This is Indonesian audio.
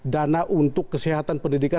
dana untuk kesehatan pendidikan